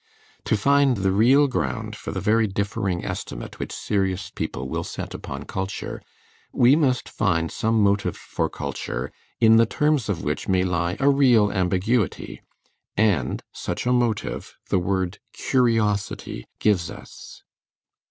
To find the real ground for the very differing estimate which serious people will set upon culture, we must find some motive for culture in the terms of which may lie a real ambiguity; and such a motive the word curiosity gives us.